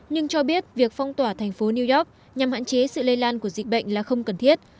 nhưng cho biết việc phong tỏa thành phố new york nhằm hạn chế sự lây lan của dịch bệnh là không cần thiết